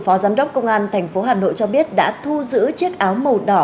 phó giám đốc công an tp hà nội cho biết đã thu giữ chiếc áo màu đỏ